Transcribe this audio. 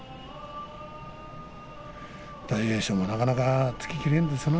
大栄翔もなかなか突ききれないね。